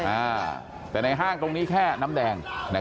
อ่าแต่ในห้างตรงนี้แค่น้ำแดง